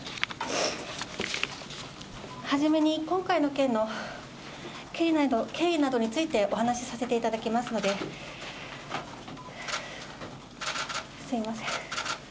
初めに今回の件の経緯などについてお話させていただきますので、すみません。